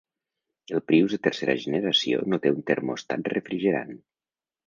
El Prius de tercera generació no té un termòstat refrigerant.